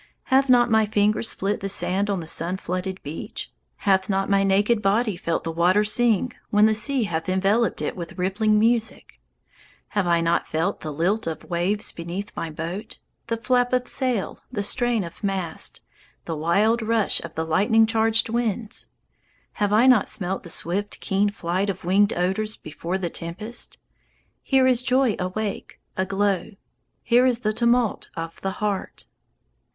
Have not my fingers split the sand On the sun flooded beach? Hath not my naked body felt the water sing When the sea hath enveloped it With rippling music? Have I not felt The lilt of waves beneath my boat, The flap of sail, The strain of mast, The wild rush Of the lightning charged winds? Have I not smelt the swift, keen flight Of winged odours before the tempest? Here is joy awake, aglow; Here is the tumult of the heart.